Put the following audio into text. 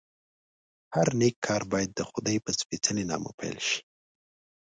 هر نېک کار باید دخدای په سپېڅلي نامه پیل شي.